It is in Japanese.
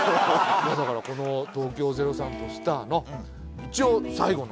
だからこの『東京０３とスタア』の一応最後の。